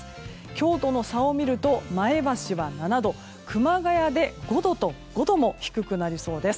今日との差を見ると前橋は７度熊谷で５度も低くなりそうです。